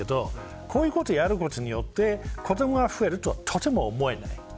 こういうことをやることによって子どもが増えるとはとても思えない。